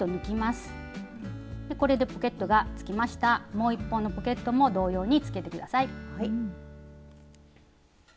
もう一方のポケットも同様につけてください。